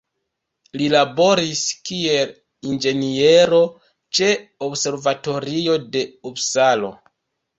Li laboris kiel inĝeniero ĉe la Observatorio de Upsalo.